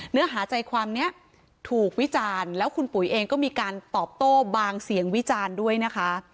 เนื้อหาใจความนี้ถูกวิจารณ์แล้วคุณปุ๋ยเองก็มีการตอบโต้บางเสียงวิจารณ์ด้วยนะคะ